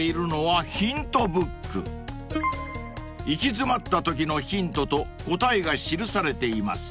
［行き詰まったときのヒントと答えが記されています］